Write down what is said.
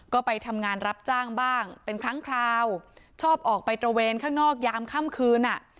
ก็ไปทำงานรับจ้างบ้างเป็นครั้งคราวชอบออกไปตระเวนข้างนอกยามค่ำคืนอ่ะ